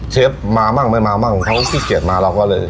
เชฟมามั่งไม่มามั่งเขาขี้เกียจมาเราก็เลย